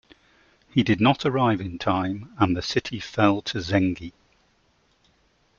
He did not arrive in time and the city fell to Zengi.